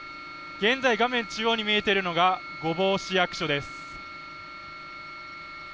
現在、画面中央に見えているのが御坊市役所です。